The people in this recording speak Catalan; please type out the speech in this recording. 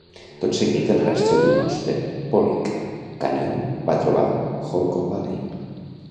Tot seguint el rastre d'un ós per Polique Canyon, va trobar Holcomb Valley.